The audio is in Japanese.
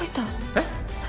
えっ？